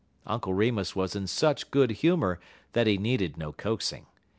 Uncle Remus was in such good humor that he needed no coaxing.